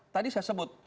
tadi saya sebut